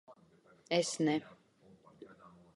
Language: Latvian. Es ne...